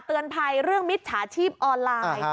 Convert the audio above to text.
เตือนภัยเรื่องมิจฉาชีพออนไลน์